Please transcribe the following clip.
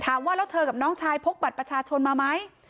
ว่าแล้วเธอกับน้องชายพกบัตรประชาชนมาไหม